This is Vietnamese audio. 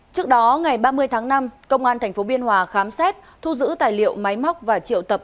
trước đó ngày ba mươi tháng năm công an tp biên hòa khám xét thu giữ tài liệu máy móc và triệu tập